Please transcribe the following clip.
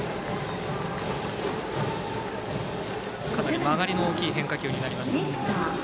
かなり曲がりの大きい変化球になりました。